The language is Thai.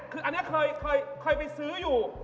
คืออันนี้เคยไปซื้ออยู่